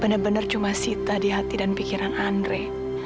bener bener cuma sita di hati dan pikiran andre